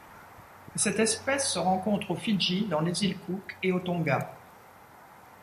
Cette espèce se rencontre aux Fidji, dans les îles Cook et au Tonga.